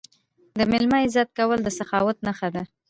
د میلمه عزت کول د سخاوت نښه ده.